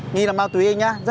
nghĩ là ma túy anh nhá